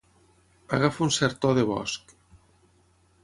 Agafa un cert to de bosc